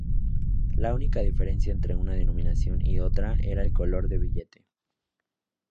La única diferencia entre una denominación y otra era el color del billete.